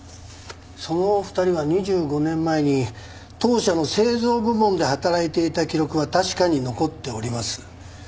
その２人が２５年前に当社の製造部門で働いていた記録は確かに残っております。